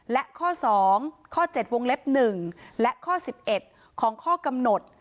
และข้อสองข้อเจ็ดวงเล็บหนึ่งและข้อสิบเอ็ดของข้อกำหนด